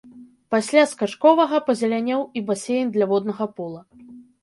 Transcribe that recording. Пасля скачковага пазелянеў і басейн для воднага пола.